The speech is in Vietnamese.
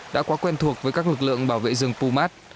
đã quá quen thuộc với các lực lượng bảo vệ rừng pumat